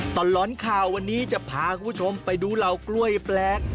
ตลอดข่าววันนี้จะพาคุณผู้ชมไปดูเหล่ากล้วยแปลก